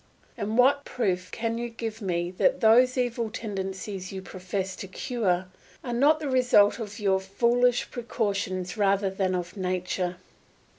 And what proof can you give me that those evil tendencies you profess to cure are not the result of your foolish precautions rather than of nature?